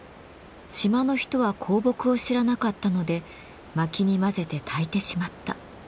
島の人は香木を知らなかったので薪に交ぜてたいてしまった。